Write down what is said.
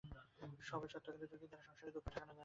সবই সত্য, কিন্তু যুক্তির দ্বারা সংসারে দুঃখ ঠেকানো যায় না।